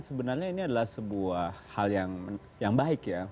sebenarnya ini adalah sebuah hal yang baik ya